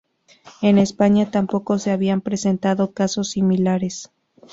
En España tampoco se habían presentado casos similares.